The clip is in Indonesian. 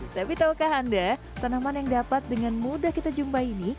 tapi tahukah anda tanaman yang dapat dengan mudah kita jumpai ini